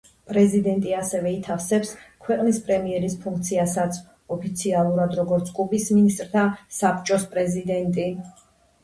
პრეზიდენტი ასევე ითავსებს ქვეყნის პრემიერის ფუნქციასაც, ოფიციალურად როგორც კუბის მინისტრთა საბჭოს პრეზიდენტი.